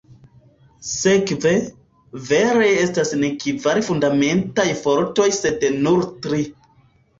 Sekve, vere estas ne kvar fundamentaj fortoj sed nur tri.